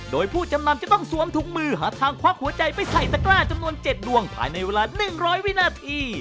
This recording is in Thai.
โดยผู้จำนำจะต้องสวมถุงมือหาทางควักหัวใจไปใส่ตะกล้าจำนวน๗ดวงภายในเวลา๑๐๐วินาที